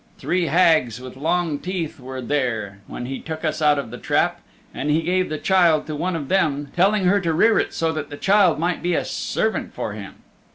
Three Hags with Long Teeth were there when he took us out of the trap, and he gave the child to one of them, telling her to rear it so that the child might be a servant for him.